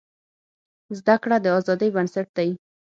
زده کړه د ازادۍ بنسټ دی.